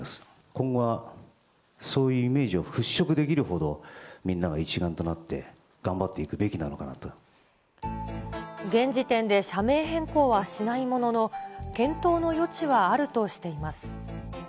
今後はそういうイメージを払拭できるほど、みんなが一丸となって現時点で社名変更はしないものの、検討の余地はあるとしています。